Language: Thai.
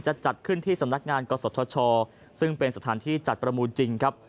จะจัดขึ้นที่สำนักงานกศธชซึ่งเป็นสถานที่จัดประมูลจริงครับ